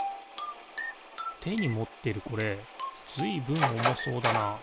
てにもってるこれずいぶんおもそうだな。